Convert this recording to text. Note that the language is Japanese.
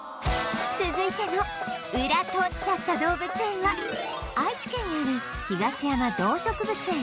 続いてのウラ撮っちゃった動物園は愛知県にある東山動植物園。